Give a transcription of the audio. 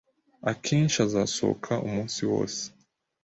Akenshi azasohoka umunsi wose.